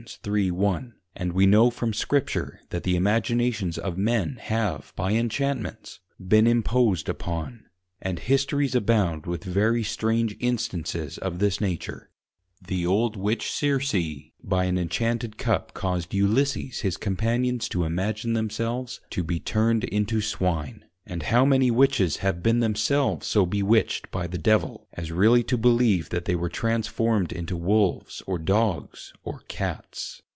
3.1._ and we know from Scripture, that the Imaginations of men have by Inchantments been imposed upon; and Histories abound with very strange Instances of this Nature: The old Witch Circe by an Inchanted Cup caused Ulysses his Companions to imagine themselves to be turned into Swine; and how many Witches have been themselves so bewitched by the Devil, as really to believe that they were transformed into Wolves, or Dogs, or Cats.